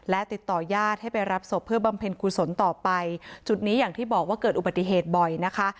และติดต่อญาติให้ไปรับศพเพื่อบำเพ็ญกุศลต่อไปจุดนี้อย่างที่บอกว่าเกิดอุบัติเหตุบ่อยนะคะ